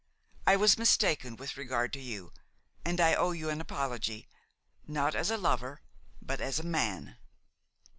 I was mistaken with regard to you, and I owe you an apology, not as a lover but as a man.